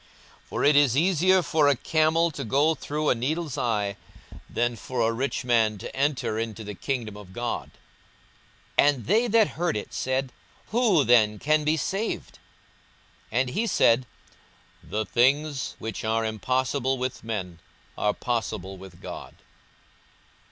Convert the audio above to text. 42:018:025 For it is easier for a camel to go through a needle's eye, than for a rich man to enter into the kingdom of God. 42:018:026 And they that heard it said, Who then can be saved? 42:018:027 And he said, The things which are impossible with men are possible with God.